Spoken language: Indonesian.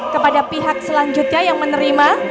kepada pihak selanjutnya yang menerima